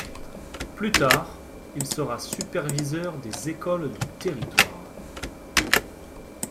Plus tard, il sera superviseur des écoles du territoire.